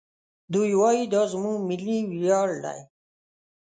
دوی وايي دا زموږ ملي ویاړ دی.